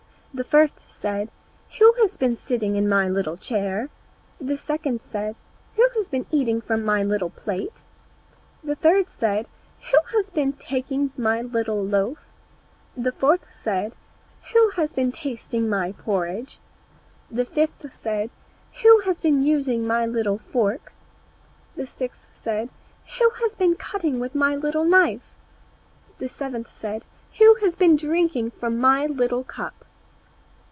The first said, "Who has been sitting in my little chair?" The second said, "Who has been eating from my little plate?" The third said, "Who has been taking my little loaf?" The fourth said, "Who has been tasting my porridge?" The fifth said, "Who has been using my little fork?" The sixth said, "Who has been cutting with my little knife?" The seventh said, "Who has been drinking from my little cup?"